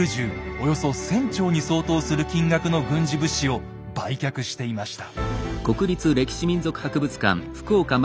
およそ１，０００丁に相当する金額の軍事物資を売却していました。